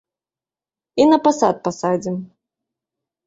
І на пасад пасадзім.